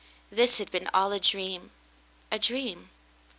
This had been all a dream — a dream.